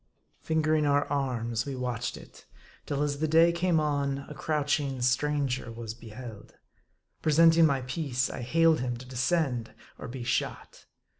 Fingering our arms, we watched it ; till as the day came on, a crouching stranger was beheld. Presenting my piece, I hailed him to descend or be shot.